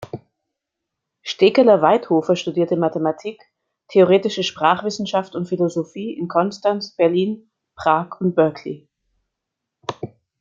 Stekeler-Weithofer studierte Mathematik, Theoretische Sprachwissenschaft und Philosophie in Konstanz, Berlin, Prag und Berkeley.